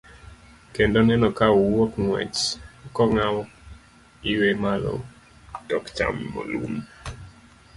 Kendo neno ka owuok ng'wech, kong'awo iwe malo tok chamo lum.